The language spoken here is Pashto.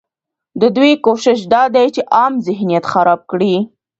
ددوی کوشش دا دی چې عام ذهنیت خراب کړي